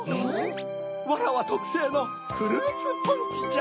・わらわとくせいのフルーツポンチじゃ。